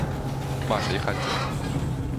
骂谁汉奸